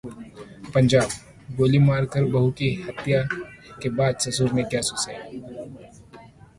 पंजाब: गोली मारकर बहू की हत्या के बाद ससुर ने किया सुसाइड